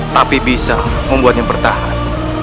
tapi bisa membuatnya bertahan